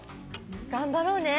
頑張ろうね。